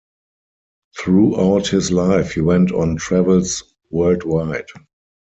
Throughout his life he went on travels worldwide.